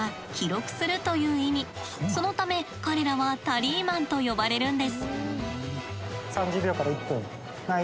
そのため彼らはタリーマンと呼ばれるんです。